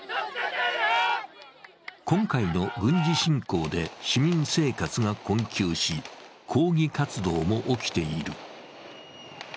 今回の軍事侵攻で市民生活が困窮し、抗議活動も起きている。